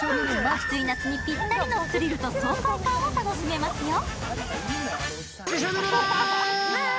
暑い夏にぴったりのスリルと爽快感を楽しめますよ。